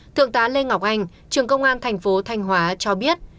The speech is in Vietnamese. thượng tá lê ngọc anh trường công an tp thanh hóa cho biết